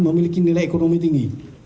memiliki nilai ekonomi tinggi